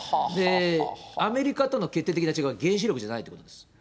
アメリカとの決定的な違いは、原子力じゃないということです。